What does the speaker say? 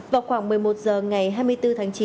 vào khoảng một mươi một h ngày hai mươi bốn tháng chín